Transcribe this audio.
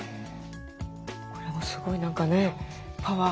これもすごい何かねパワーが。